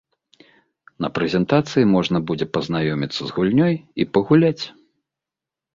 На прэзентацыі можна будзе пазнаёміцца з гульнёй і пагуляць!